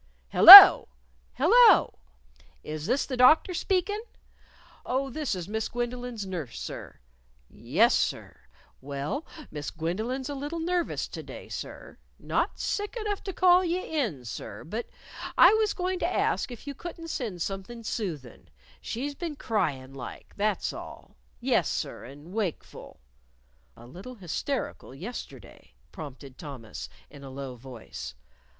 "Hello!... Hello! Is this the Doctor speakin'?... Oh, this is Miss Gwendolyn's nurse, sir.... Yes sir. Well, Miss Gwendolyn's a little nervous to day, sir. Not sick enough to call you in, sir.... But I was goin' to ask if you couldn't send something soothin'. She's been cryin' like, that's all.... Yes, sir, and wakeful " "A little hysterical yesterday," prompted Thomas, in a low voice.